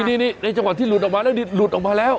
นี่ในจังหวะที่หลุดออกมาแล้วนี่หลุดออกมาแล้ว